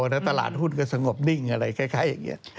แล้วตลาดหุ้นก็สงบนิ่งอะไรคล้ายอย่างนี้